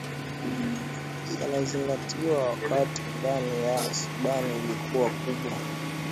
yanazingatiwa wakiwa ndani ya sudan lilikuwa kubwa